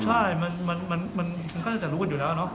ใช่มันก็น่าจะรู้กันอยู่แล้วเนาะ